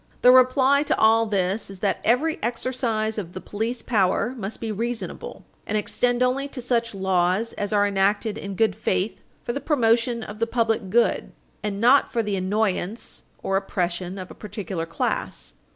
The reply to all this is that every exercise of the police power must be reasonable, and extend only to such laws as are enacted in good faith for the promotion for the public good, and not for the annoyance or oppression of a particular class.